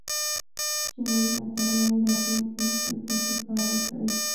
چینایي متل وایي راتلونکي نسل ته ښه کار وکړئ.